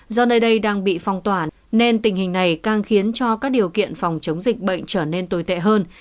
do nơi đây đang bị phong tỏa nên tình hình này càng khiến cho các điều kiện phòng chống dịch bệnh trở nên tồi tệ hơn